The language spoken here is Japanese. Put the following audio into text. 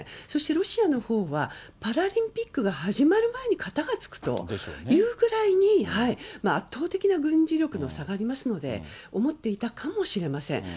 そしてロシアのほうは、パラリンピックが始まる前にかたがつくというぐらいに、圧倒的な軍事力の差がありますので、思っていたかもしれません。